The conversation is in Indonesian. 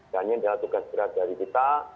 dan ini adalah tugas keras dari kita